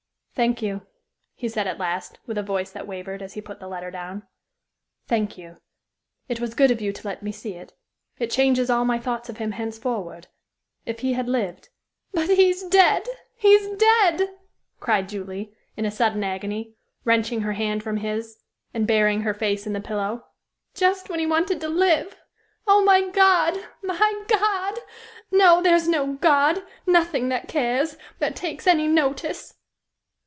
"Thank you," he said, at last, with a voice that wavered, as he put the letter down. "Thank you. It was good of you to let me see it. It changes all my thoughts of him henceforward. If he had lived " "But he's dead! He's dead!" cried Julie, in a sudden agony, wrenching her hand from his and burying her face in the pillow. "Just when he wanted to live. Oh, my God my God! No, there's no God nothing that cares that takes any notice!"